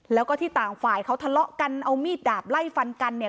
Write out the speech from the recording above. แล้วก็ที่ต่างฝ่ายเขาทะเลาะกันเอามีดดาบไล่ฟันกันเนี่ย